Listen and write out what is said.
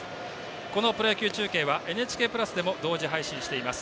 このプロ野球中継はＮＨＫプラスでも同時配信しています。